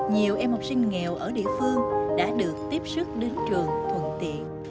nhiều em học sinh nghèo ở địa phương đã được tiếp sức đến trường thuận tiện